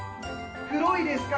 黒いですか？